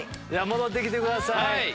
戻って来てください。